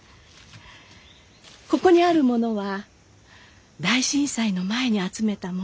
ここにあるものは大震災の前に集めたもの。